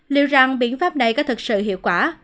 liệu rằng biện pháp này có thực sự hiệu quả